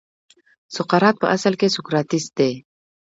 سقراط په اصل کې سوکراتیس دی.